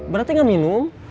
berarti gak minum